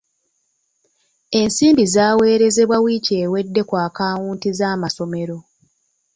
Ensimbi zaawerezebwa wiiki ewedde ku akaawunti z'amassomero.